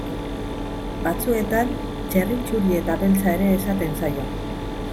Batzuetan txerri txuri eta beltza ere esaten zaio.